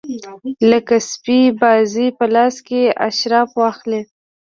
لکه سپي بازي په لاس اشراف واخلي.